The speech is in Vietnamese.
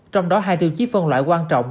trong đó hai tiêu chí phân loại quan trọng